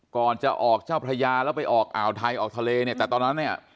ก่อนจะออกเจ้าพระยาแล้วไปออกอ่าวไทยออกทะเลเนี่ยแต่ตอนนั้นเนี่ย